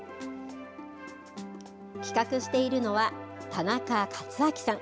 企画しているのは田中克明さん。